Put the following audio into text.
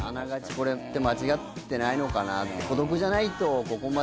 これって間違ってないのかなって。